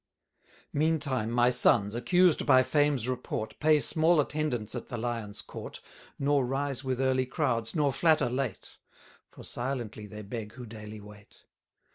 Meantime my sons, accused by fame's report, Pay small attendance at the Lion's court, Nor rise with early crowds, nor flatter late; For silently they beg who daily wait.